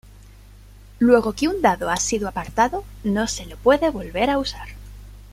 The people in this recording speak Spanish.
Luego que un dado ha sido apartado no se lo puede volver a usar.